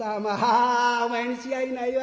あお前に違いないわ。